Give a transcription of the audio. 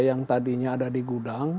yang tadinya ada di gudang